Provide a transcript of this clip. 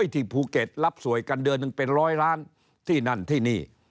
ที่ภูเก็ตรับสวยกันเดือนหนึ่งเป็นร้อยล้านที่นั่นที่นี่